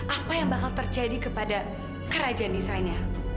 apa yang bakal terjadi kepada kerajaan desainnya